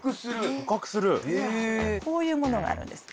こういうものがあるんです。